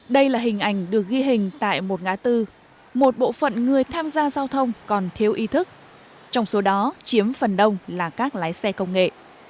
đây là hình ảnh được ghi hình tại một ngã tư một bộ phận người tham gia giao thông còn thiếu ý thức trong số đó chiếm phần đông là các lái xe công nghệ